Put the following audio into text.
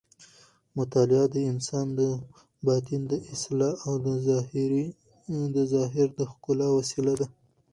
مطالعه د انسان د باطن د اصلاح او د ظاهر د ښکلا وسیله ده.